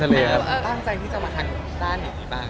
ตั้งใจที่จะมาทางด้านนี้บ้าง